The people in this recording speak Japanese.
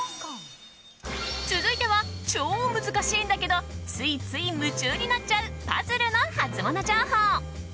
続いては、超難しいんだけどついつい夢中になっちゃうパズルのハツモノ情報。